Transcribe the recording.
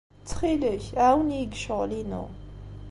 Ttxil-k, ɛawen-iyi deg ccɣel-inu.